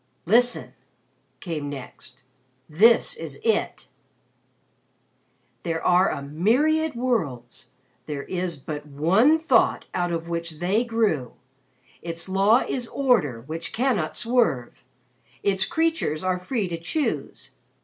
"Listen!" came next. "This is it: "'_There are a myriad worlds. There is but One Thought out of which they grew. Its Law is Order which cannot swerve. Its creatures are free to choose.